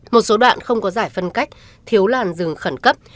một số đoạn không có giải phân cách thiếu làn rừng khẩn cấp